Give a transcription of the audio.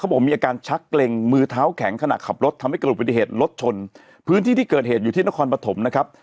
บอกว่ามีอาการชักเกร็งมือเท้าแข็งขณะขับรถทำให้เกิดอุบัติเหตุรถชนพื้นที่ที่เกิดเหตุอยู่ที่นครปฐมนะครับ